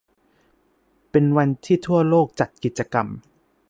เป็นวันที่ทั่วโลกจัดกิจกรรม